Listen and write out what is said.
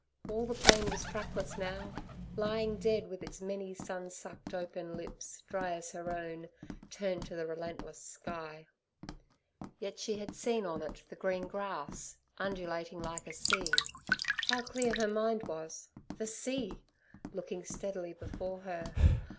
all the plain was trackless now, lying dead, with its many sun sucked open lips, dry as her own, turned to the relentless sky. Yet she had seen on it the green grass, undulating like a sea. How clear her mind was—the sea! looking steadily before her.